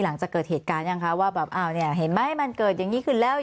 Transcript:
หลังจากเกิดเหตุการณ์ยังคะว่าแบบอ้าวเนี่ยเห็นไหมมันเกิดอย่างนี้ขึ้นแล้ว